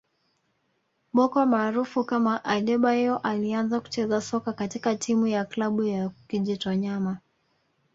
Bocco maarufu kama Adebayor alianza kucheza soka katika timu ya klabu ya Kijitonyama